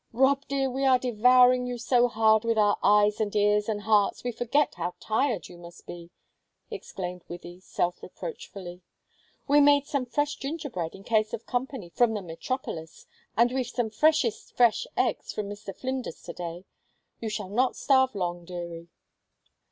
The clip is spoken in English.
"Rob, dear, we are devouring you so hard with our eyes and ears and hearts we forget how tired you must be!" exclaimed Wythie, self reproachfully. "We made some fresh gingerbread, in case of company from the metropolis, and we've some freshest fresh eggs from Mr. Flinders to day you shall not starve long, dearie."